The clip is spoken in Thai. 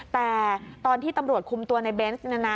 แต่ตอนที่ตำรวจคุมตัวในเบนส์